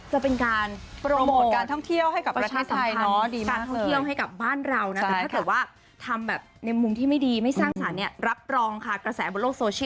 จะเป็นการโปรโมทการท่องเที่ยวให้กับประชาติไทยเนอะ